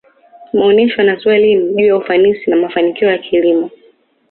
maonesha yanatoa elimu juu ya ufanisi na mafanikio ya kilimo